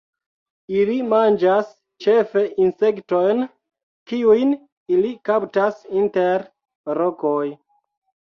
Ili manĝas ĉefe insektojn kiujn ili kaptas inter rokoj.